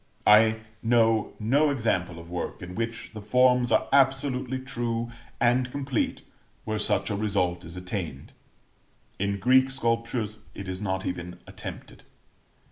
I know no example of work in which the forms are absolutely true and complete where such a result is attained; in Greek sculptures is not even attempted.